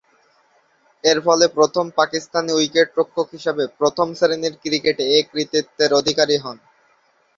এরফলে, প্রথম পাকিস্তানি উইকেট-রক্ষক হিসেবে প্রথম-শ্রেণীর ক্রিকেটে এ কৃতিত্বের অধিকারী হন।